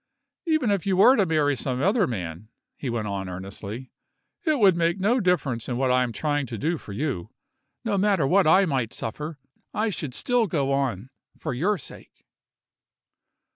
"Even if you were to marry some other man," he went on earnestly, "it would make no difference in what I am trying to do for you. No matter what I might suffer, I should still go on for your sake."